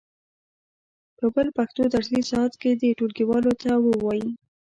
په بل پښتو درسي ساعت کې دې ټولګیوالو ته و وایي.